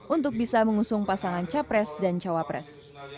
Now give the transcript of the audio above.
untuk bisa mengusung pasangan capres dan cawapres